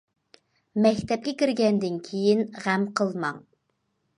مەكتەپكە كىرگەندىن كېيىن غەم قىلماڭ!